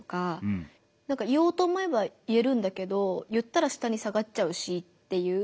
言おうと思えば言えるんだけど言ったら下に下がっちゃうしっていう。